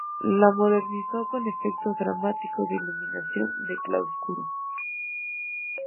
La modernizó con efectos dramáticos de iluminación, de claroscuro.